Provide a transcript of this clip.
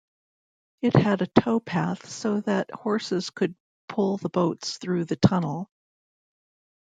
It had a towpath so that horses could pull the boats through the tunnel.